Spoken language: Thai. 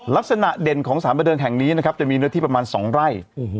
ลักษณะเด่นของสารบันเทิงแห่งนี้นะครับจะมีเนื้อที่ประมาณ๒ไร่